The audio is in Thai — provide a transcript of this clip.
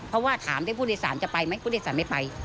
เพราะว่าถามได้ผู้โดยสารจะไปไหมผู้โดยสารไม่ไป